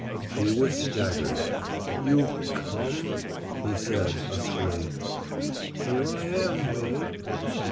He was staggered. "You've come " he said, huskily. "Here I am, Wade."